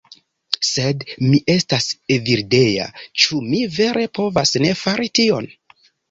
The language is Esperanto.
Sed mi estas Evildea... ĉu mi vere povas ne fari tion?